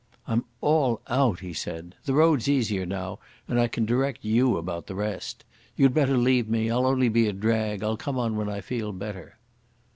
"I'm all out," he said. "The road's easier now, and I can direct you about the rest.... You'd better leave me. I'll only be a drag. I'll come on when I feel better."